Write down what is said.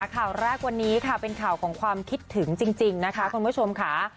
ข่าวแรกวันนี้ค่ะเป็นข่าวของความคิดถึงจริงนะคะคุณผู้ชมค่ะ